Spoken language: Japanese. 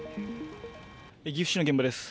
岐阜市の現場です。